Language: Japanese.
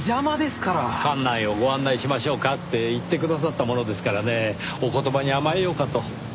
館内をご案内しましょうかって言ってくださったものですからねお言葉に甘えようかと。